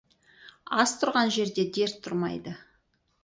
Ac тұрған жерде дерт тұрмайды.